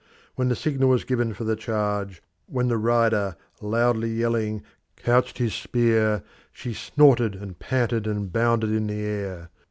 When the signal was given for the charge, when the rider, loudly yelling, couched his spear, she snorted and panted and bounded in the air.